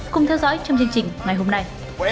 cùng theo dõi trong chương trình ngày hôm nay